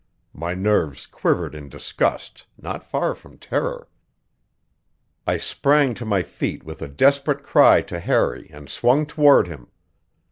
My nerves quivered in disgust, not far from terror. I sprang to my feet with a desperate cry to Harry and swung toward him.